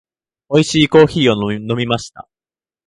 美味しいコーヒーを飲みました。